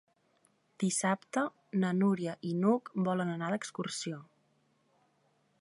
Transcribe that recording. Dissabte na Núria i n'Hug volen anar d'excursió.